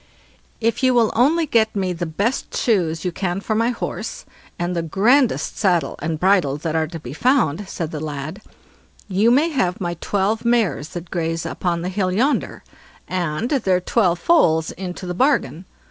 "If you will only get me the best shoes you can for my horse, and the grandest saddle and bridle that are to be found", said the lad, "you may have my twelve mares that graze up on the hill yonder, and their twelve foals into the bargain."